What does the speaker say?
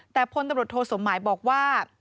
แต่พลตำรวจโทสมหมายบอกว่า